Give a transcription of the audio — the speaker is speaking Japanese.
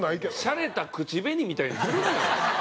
シャレた口紅みたいにするなよお前。